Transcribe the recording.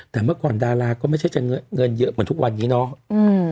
แต่เมื่อก่อนดาราก็ไม่ใช่จะเงินเยอะเหมือนทุกวันนี้เนาะ